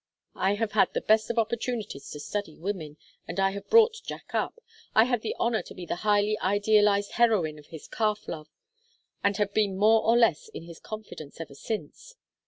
I have had the best of opportunities to study women, and I have brought Jack up I had the honor to be the highly idealized heroine of his calf love, and have been more or less in his confidence ever since.